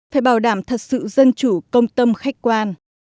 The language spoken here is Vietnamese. phải bảo đảm thật sự dân chủ công tâm khách quan